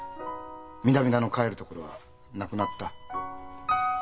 南田の帰るところはなくなった。